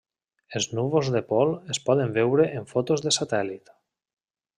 Els núvols de pol es poden veure en fotos de satèl·lit.